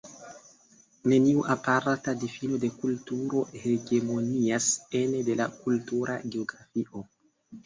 Neniu aparta difino de kulturo hegemonias ene de la kultura geografio.